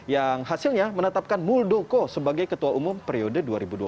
yang hasilnya menetapkan muldoko sebagai ketua umum periode dua ribu dua puluh satu dua ribu dua puluh lima